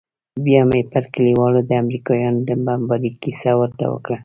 بيا مې پر کليوالو د امريکايانو د بمبارۍ کيسه ورته وکړه.